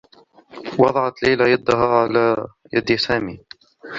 وضعت ليلى يدها على يد سامي.